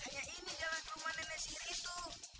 hanya ini jalan ke rumah nenek sihir itu